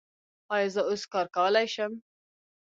ایا زه اوس کار کولی شم؟